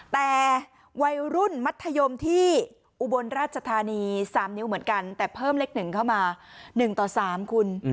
แต่วัยรุ่นมัธยมที่อุบลราชธานี๓นิ้วเหมือนกันแต่เพิ่มเลข๑เข้ามา๑ต่อ๓คุณ